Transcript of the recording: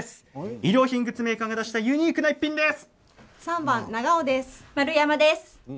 衣料品グッズメーカーが出したユニークな一品です。